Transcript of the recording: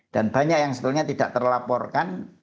dan banyak yang sebetulnya tidak terlaporkan